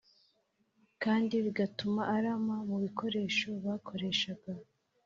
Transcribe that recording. kandi bigatuma arama mu bikoresho bakoreshaga